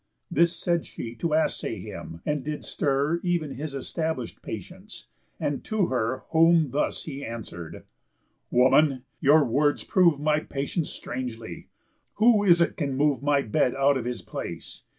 This said she to assay him, and did stir Ev'n his establish'd patience; and to her Whom thus he answer'd: "Woman! your words prove My patience strangely. Who is it can move My bed out of his place?